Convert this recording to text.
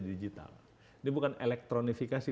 digital ini bukan elektronifikasi